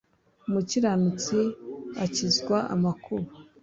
umukiranutsi akizwa amakuba,